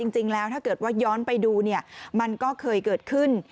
จริงแล้วถ้าเกิดว่าย้อนไปดูเนี่ยมันก็เคยเกิดขึ้น